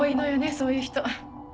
そういう人。